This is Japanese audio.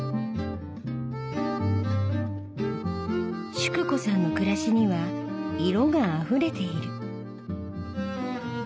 淑子さんの暮らしには色があふれている。